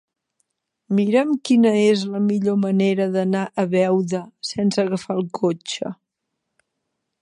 Mira'm quina és la millor manera d'anar a Beuda sense agafar el cotxe.